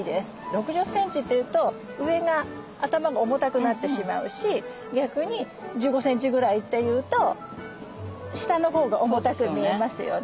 ６０センチというと上が頭が重たくなってしまうし逆に１５センチぐらいというと下のほうが重たく見えますよね。